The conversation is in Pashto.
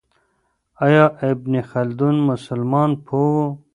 آیا ابن خلدون مسلمان پوه و؟